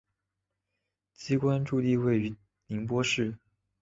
机关驻地位于宁波市。